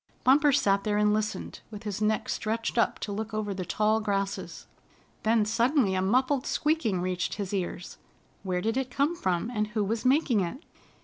Bumper sat there and listened, with his neck stretched up to look over the tall grasses. Then suddenly a muffled squeaking reached his ears. Where did it come from, and who was making it?